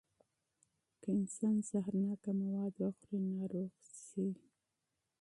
که انسان زهرناکه مواد وخوري، ناروغ شي.